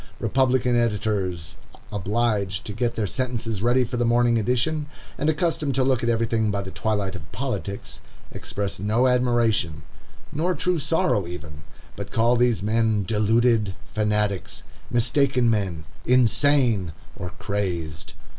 Republican editors, obliged to get their sentences ready for the morning edition, and accustomed to look at everything by the twilight of politics, express no admiration, nor true sorrow even, but call these men "deluded fanatics"—"mistaken men"—"insane," or "crazed."